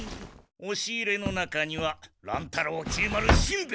おし入れの中には乱太郎きり丸しんべヱ！